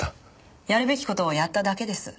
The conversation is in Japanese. やるべき事をやっただけです。